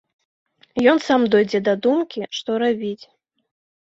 Ён сам дойдзе да думкі, што зрабіць.